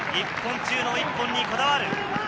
１本中の１本にこだわる。